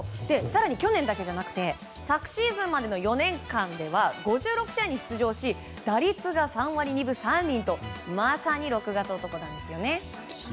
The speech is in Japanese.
更に去年だけじゃなくて昨シーズンまでの４年間では５６試合に出場し打率が３割２分３厘とまさに、６月男なんですね。